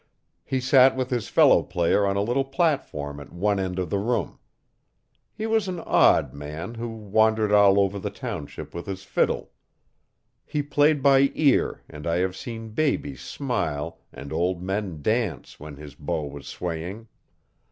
He sat with his fellow player on a little platform at one end of the room. He was an odd man who wandered all over the township with his fiddle. He played by ear, and I have seen babies smile and old men dance when his bow was swaying.